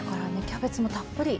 キャベツもたっぷり。